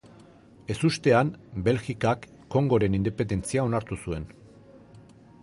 Ezustean, Belgikak Kongoren independentzia onartu zuen.